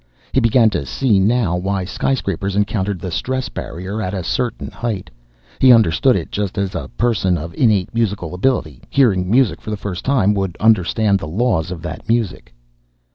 He began to see now why skyscrapers encountered the "stress barrier" at a certain height. He understood it just as a person of innate musical ability, hearing music for the first time, would understand the laws of that music.